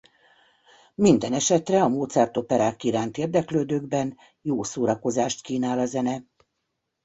Mindenesetre a Mozart operák iránt érdeklődőkben jó szórakozást kínál a zene.